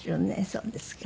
そうですか。